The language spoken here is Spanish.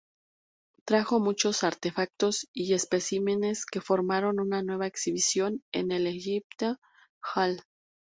Trajo muchos artefactos y especímenes que formaron una nueva exhibición en el "Egyptian Hall".